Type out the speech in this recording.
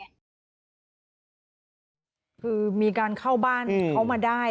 คือมีการเข้าบ้านเขามาได้